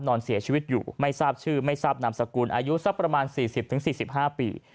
นอนเสียชีวิตอยู่ไม่ทราบชื่อไม่ทราบนามสกุลอายุสักประมาณ๔๐๔๕ปี